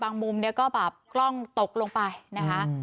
บางมุมก็ตกลงไป